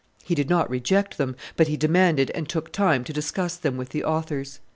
He did not reject them, but he demanded and took time to discuss them with the authors.